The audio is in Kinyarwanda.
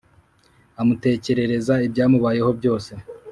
amutekerereza ibyamubayeho byose